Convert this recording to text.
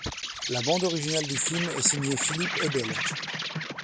La bande originale du film est signée Philippe Eidel.